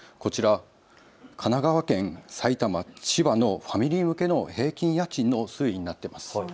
こちら、神奈川県、埼玉、千葉のファミリー向けの平均家賃の推移になっています。